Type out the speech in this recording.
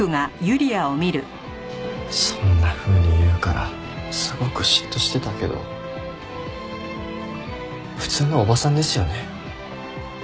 そんなふうに言うからすごく嫉妬してたけど普通のおばさんですよね。